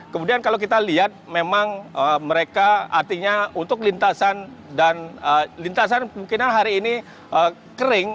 kemudian kalau kita lihat memang mereka artinya untuk lintasan dan lintasan kemungkinan hari ini kering